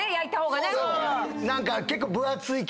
何か結構。